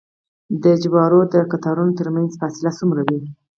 د جوارو د قطارونو ترمنځ فاصله څومره وي؟